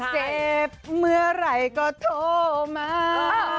เจ็บเมื่อไหร่ก็โทรมา